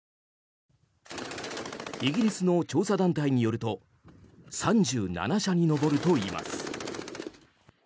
イギリスの調査団体によると３７社に上るといいます。